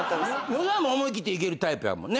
野沢も思い切っていけるタイプやもんね。